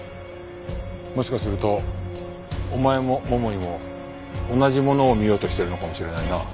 もしかするとお前も桃井も同じものを見ようとしてるのかもしれないな。